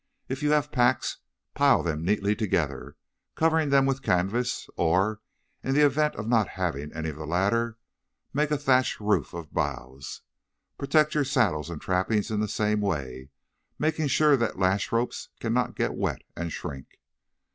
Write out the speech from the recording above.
If you have packs, pile them neatly together, covering them with canvas; or, in the event of not having any of the latter, make a thatch roof of boughs. Protect your saddles and trappings in the same way, making sure that the lash ropes cannot get wet and shrink.